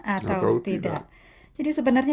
atau tidak jadi sebenarnya